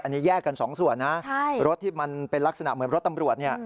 อันนี้แยกกัน๒ส่วนรถที่มันเป็นลักษณะเหมือนรถตำรวจ